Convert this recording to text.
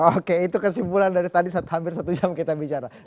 oke itu kesimpulan dari tadi hampir satu jam kita bicara